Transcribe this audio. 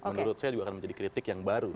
menurut saya juga akan menjadi kritik yang baru